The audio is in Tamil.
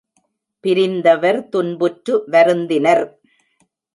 பிரிந்தவர் துன்புற்று வருந்தினர்.